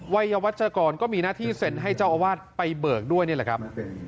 วัยวัชกรก็มีหน้าที่เซ็นให้เจ้าอาวาสไปเบิกด้วยนี่แหละครับ